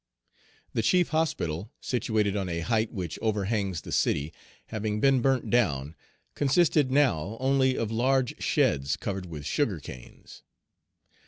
The chief hospital, situated Page 220 on a height which overhangs the city, having been burnt down, consisted now only of large sheds covered with sugar canes.